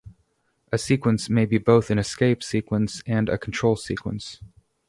A sequence may be both an escape sequence and a control sequence.